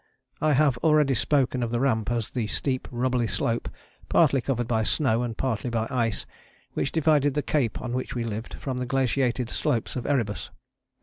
I have already spoken of the Ramp as the steep rubbly slope partly covered by snow and partly by ice which divided the cape on which we lived from the glaciated slopes of Erebus.